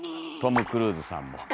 トム・クルーズさんも。